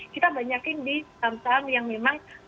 kita banyakin di saham saham yang memang